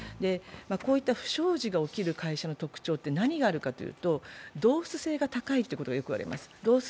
こういった不祥事が起きる会社の特徴って何があるかというと、同一性が高いといわれます。